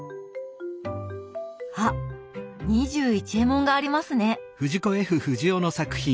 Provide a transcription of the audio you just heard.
あっ「２１エモン」がありますね。